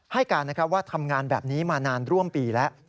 ให้การว่าทำงานแบบนี้มานานร่วมปีแล้ว